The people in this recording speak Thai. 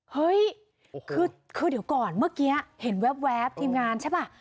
เฮ้ยคือเดี๋ยวก่อนเมื่อกี้เห็นแว๊บทีมงานใช่ป่ะ